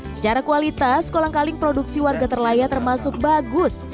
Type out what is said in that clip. secara kualitas kolang kaling produksi warga terlaya termasuk bagus